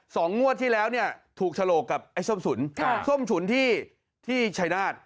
สองงวดที่แล้วถูกฉโลกกับส้มศุนย์ที่ชัยนาศ